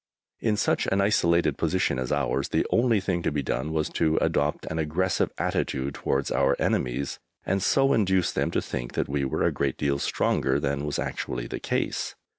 In such an isolated position as ours, the only thing to be done was to adopt an aggressive attitude towards our enemies and so induce them to think that we were a great deal stronger than was actually the case.